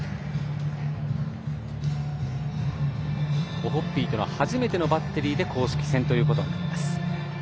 オホッピーとは初めてのバッテリーで公式戦ということになります。